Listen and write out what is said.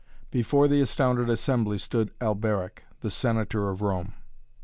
Before the astounded assembly stood Alberic, the Senator of Rome.